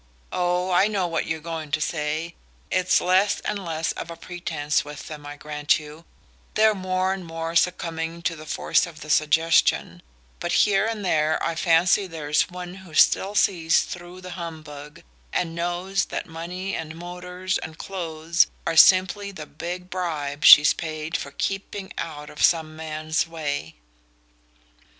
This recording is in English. Oh, I know what you're going to say it's less and less of a pretense with them, I grant you; they're more and more succumbing to the force of the suggestion; but here and there I fancy there's one who still sees through the humbug, and knows that money and motors and clothes are simply the big bribe she's paid for keeping out of some man's way!"